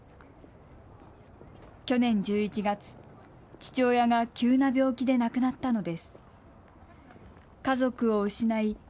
去年１１月、父親が急な病気で亡くなったのです。